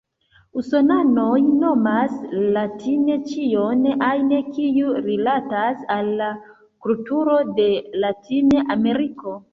Usonanoj nomas "latin" ĉion ajn, kiu rilatas al la kulturo de Latin-Ameriko.